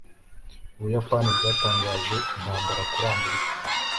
ubuyapani bwatangaje intambara kuri amerika